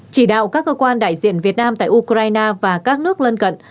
chỉ đạo các cơ quan đại diện việt nam tại ukraine và các nước lân cận